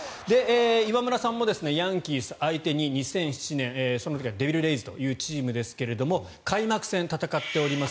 岩村さんもヤンキース相手に２００７年、その時はデビルレイズというチームですが開幕戦、戦っています。